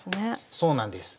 そうなんです。